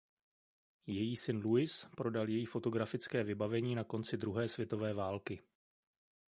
Její syn Louis prodal její fotografické vybavení na konci druhé světové války.